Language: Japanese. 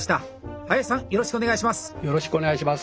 林さんよろしくお願いします。